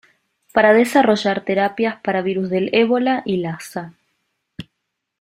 Para desarrollar terapias para virus del Ébola y Lassa.